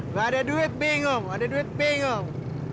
ga ada duit bingung ga ada duit bingung